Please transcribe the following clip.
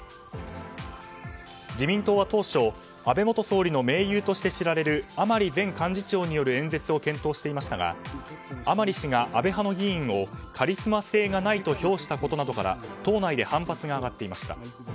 自民党は当初安倍元総理の盟友として知られる甘利前幹事長による演説を検討していましたが甘利氏が、安倍派の議員をカリスマ性がないと評したことなどから党内で反発が上がっていました。